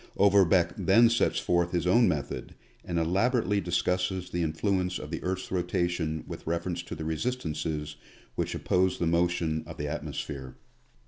Overbeck then sets forth his own method, and elaborately discusses the influence of the earth's rotation with reference to the resistances which oppose the motion of the at mosphere.